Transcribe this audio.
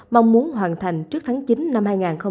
mong muốn hoàn thành trước tháng chín năm hai nghìn hai mươi